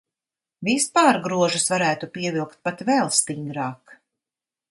Vispār grožus varētu pievilkt pat vēl stingrāk.